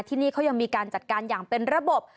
ที่นี่เขายังมีการจัดการอย่างเป็นระบบ